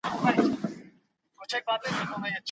په لویه جرګه کي د ښځو د بنسټیزو حقونو په اړه څه پرېکړه کېږي؟